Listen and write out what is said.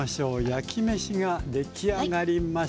焼きめしが出来上がりました。